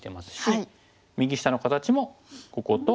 右下の形もこことここ。